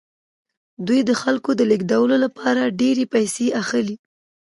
دوی د خلکو د لیږدولو لپاره ډیرې پیسې اخلي